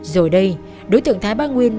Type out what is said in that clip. rồi đây đối tượng thái ba nguyên